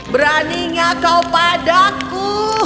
beraninya kau padaku